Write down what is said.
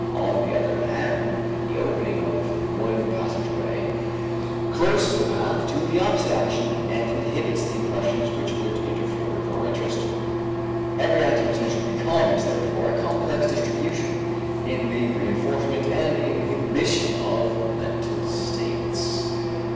On the other hand, the opening of the one passageway closes the path to the opposite action and inhibits the impressions which would interfere with our interest. Every act of attention becomes, therefore, a complex distribution in the reënforcement and inhibition of mental states.